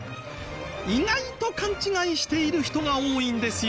意外と勘違いしている人が多いんですよ。